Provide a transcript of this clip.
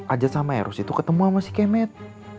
ajat sama eros itu ketemu sama si kemet